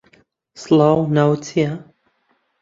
سڵاو، ناوت چییە؟